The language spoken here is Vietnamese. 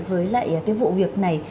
với lại cái vụ việc này